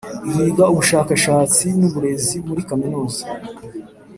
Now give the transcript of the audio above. Yiga ubushakashatsi n uburezi muri Kaminuza